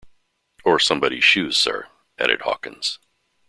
"Or somebody's shoes, sir," added Hawkins.